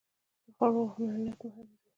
د خوړو امنیت مهم دی.